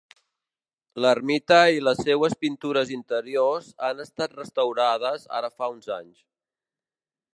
L'ermita i les seues pintures interiors han estat restaurades ara fa uns anys.